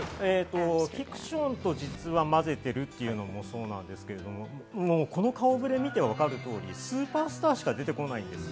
フィクションと実話をまぜているというのもそうなんですけれども、この顔触れ見てわかる通りスーパースターしか出てこないんです。